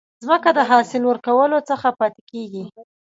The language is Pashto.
ځمکه د حاصل ورکولو څخه پاتي کیږي.